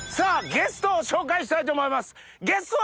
ゲストを紹介したいと思います。